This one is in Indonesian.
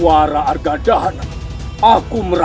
aku akan menangkapmu